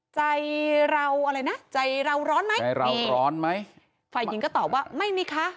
ใจเราอะไรนะใจเราร้อนไหมใจเราร้อนไหมฝ่ายหญิงก็ตอบว่าไม่มีคะ